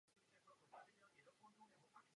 Je to výraz jeho vůle.